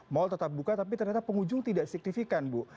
mall tetap buka tapi ternyata penghujung tidak signifikan bu